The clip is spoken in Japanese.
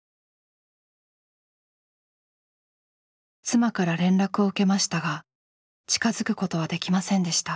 妻から連絡を受けましたが近づくことはできませんでした。